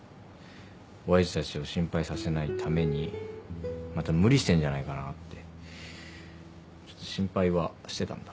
親父たちを心配させないためにまた無理してんじゃないかなってちょっと心配はしてたんだ。